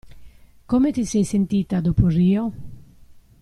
Come ti sei sentita dopo Rio?